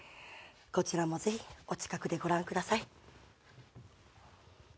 こちらもぜひお近くでご覧ください。